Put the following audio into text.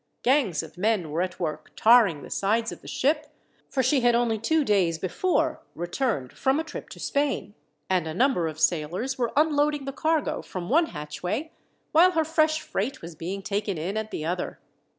Gangs of men were at work tarring the sides of the ship, for she had only two days before returned from a trip to Spain; and a number of sailors were unloading the cargo from one hatchway, while her fresh freight was being taken in at the other.